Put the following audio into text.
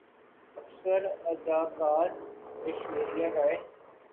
اکثر اداکارہ ایشوریا رائے